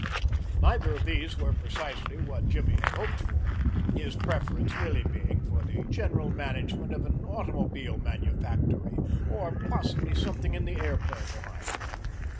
Neither of these were precisely what Jimmy had hoped for, his preference really being for the general management of an automobile manufactory or possibly something in the airplane line.